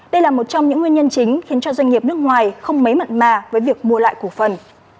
đây là một trong những nguyên nhân chính khiến cho doanh nghiệp nước ngoài không mấy mận mà với việc mua lại cổ phần